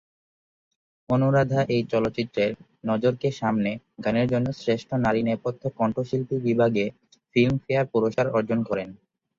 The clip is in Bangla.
অনুরাধা এই চলচ্চিত্রের "নজর কে সামনে" গানের জন্য শ্রেষ্ঠ নারী নেপথ্য কণ্ঠশিল্পী বিভাগে ফিল্মফেয়ার পুরস্কার অর্জন করেন।